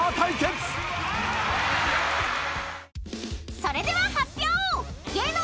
［それでは発表！］